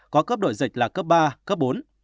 có cấp độ dịch là cấp ba cấp bốn